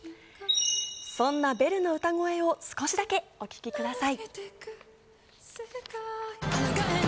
そんなベルの歌声を少しだけお聞きください。